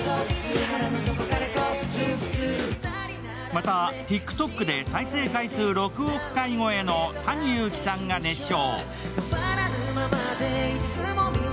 またＴｉｋＴｏｋで再生回数６億回超えのＴａｎｉＹｕｕｋｉさんが熱唱。